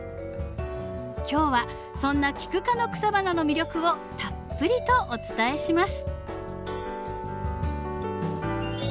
今日はそんなキク科の草花の魅力をたっぷりとお伝えします。